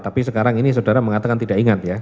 tapi sekarang ini saudara mengatakan tidak ingat ya